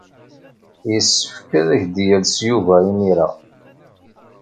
Yessefk ad ak-d-yales Yuba imir-a.